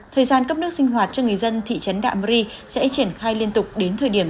thời gian cấp nước sinh hoạt cho người dân thị trấn đạm rê sẽ triển khai liên tục đến thời điểm